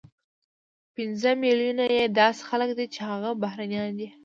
پنځه ملیونه یې داسې خلک دي چې هغه بهرنیان دي،